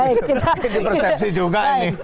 ini persepsi juga ini